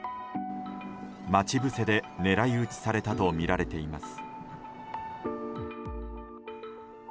待ち伏せで狙い撃ちされたとみられています。